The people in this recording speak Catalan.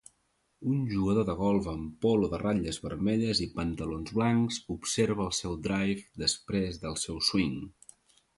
Un jugador de golf amb polo de ratlles vermelles i pantalons blancs observa el seu drive després del seu swing.